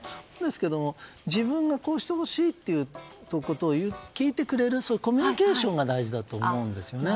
自分がこうしてほしいということを聞いてくれるコミュニケーションが大事だと思うんですよね。